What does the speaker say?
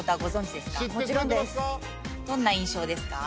どんな印象ですか？